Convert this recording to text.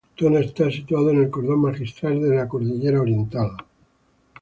Tona está situado en el cordón magistral de la cordillera Oriental.